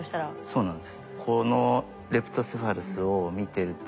そうなんです。